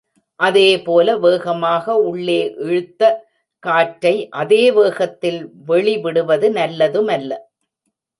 அதேபோல வேகமாக உள்ளே இழுத்த காற்றை அதே வேகத்தில் வெளிவிடுவது நல்லதுமல்ல.